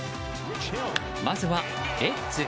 まずはレッズ。